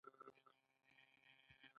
دریمه برخه د مخابراتي اړیکو سیستم دی.